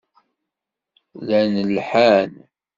Llan lhan.